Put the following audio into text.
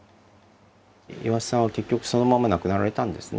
岩田さんは結局そのまま亡くなられたんですね。